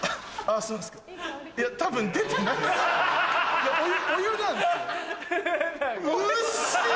いやお湯なんすよ！